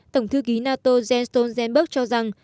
tổng thư ký nato jens stoltenberg cho rằng